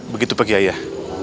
begitu pagi ayah